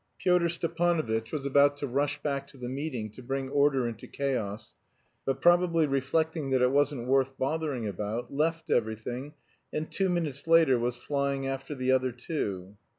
Pyotr Stepanovitch was about to rush back to the meeting to bring order into chaos, but probably reflecting that it wasn't worth bothering about, left everything, and two minutes later was flying after the other two.